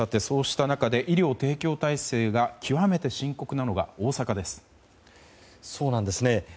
そうした中で、医療提供体制が極めて深刻なのが大阪です。